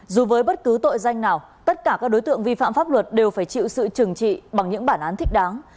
dù với bất cứ tội danh nào tất cả các đối tượng vi phạm pháp luật đều phải chịu sự trừng trị bằng những bản án thích đáng